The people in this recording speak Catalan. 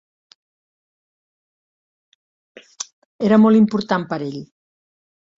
Era molt important per ell.